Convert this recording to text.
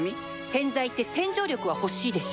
洗剤って洗浄力は欲しいでしょ